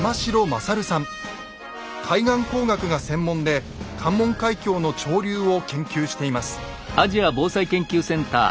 海岸工学が専門で関門海峡の潮流を研究しています。